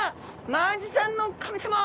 マアジちゃんの神様！